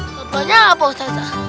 sebanyak apa ustazah